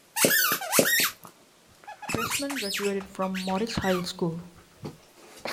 Pressman graduated from Morris High School.